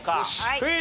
クイズ。